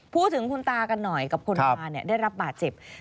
พูดถึงคุณตากันหน่อยกับคนงานได้รับบาดเจ็บ